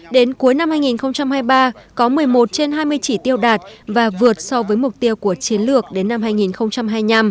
đến cuối năm hai nghìn hai mươi ba có một mươi một trên hai mươi chỉ tiêu đạt và vượt so với mục tiêu của chiến lược đến năm hai nghìn hai mươi năm